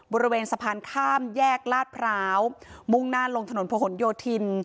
บริเวณสะพานข้ามแยกลาดพร้าวมุ่งหน้าลงถนนพะหนโยธิน